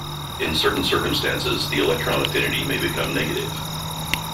In certain circumstances, the electron affinity may become negative.